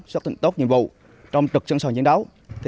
sắp tận tốt nhiệm vụ trong trực sẵn sàng chiến đấu